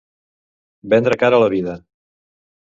Vendre cara la vida.